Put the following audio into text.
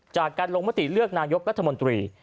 จากการลงมติเลือกนายกรัฐมนตรี